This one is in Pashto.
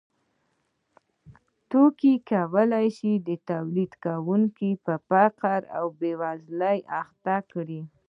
توکي کولای شي تولیدونکی په فقر او بېوزلۍ اخته کړي